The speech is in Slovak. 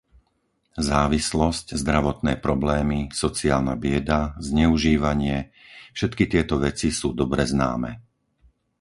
Závislosť, zdravotné problémy, sociálna bieda, zneužívanie, všetky tieto veci sú dobre známe.